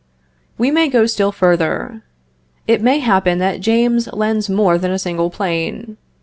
We may go still further. It may happen, that James lends more than a single plane.